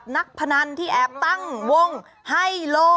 นักพนันที่แอบตั้งวงให้โล